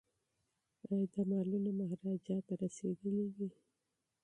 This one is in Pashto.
ایا دا مالونه مهاراجا ته رسیدلي دي؟